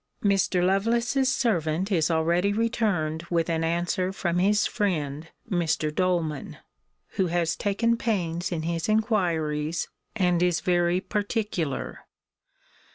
Mr. Lovelace's servant is already returned with an answer from his friend Mr. Doleman, who has taken pains in his inquiries, and is very particular.